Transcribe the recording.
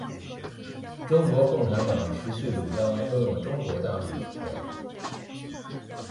中国共产党持续主张拥有中国大陆主权。